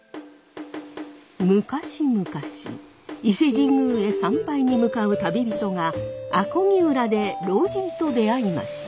昔々伊勢神宮へ参拝に向かう旅人が阿漕浦で老人と出会いました。